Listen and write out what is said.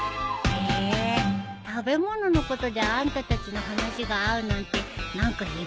へえ食べ物のことであんたたちの話が合うなんて何か意外だね。